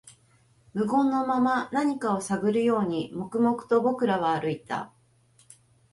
無言のまま、何かを探るように、黙々と僕らは歩いた